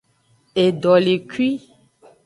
Edolekui.